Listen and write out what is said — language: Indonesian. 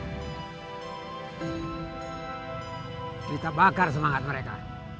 kita bakar semangat mereka